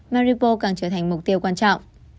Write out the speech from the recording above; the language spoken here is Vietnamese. maripos càng trở thành mục tiêu quan trọng